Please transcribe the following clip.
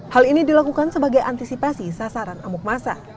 hal ini dilakukan sebagai antisipasi sasaran amuk masa